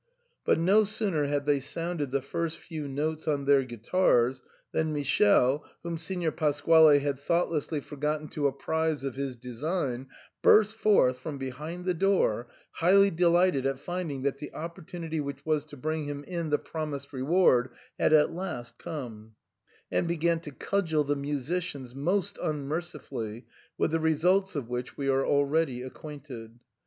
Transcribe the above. But no sooner had they sounded the first few notes on their guitars than Michele, whom Signor Pasquale had thoughtlessly for gotten to apprise of his design, burst forth from behind the door, highly delighted at finding that the oppor tunity which was to bring him in the promised reward had at last come, and began to cudgel the musicians most unmercifully, with the results of which we are already acquainted.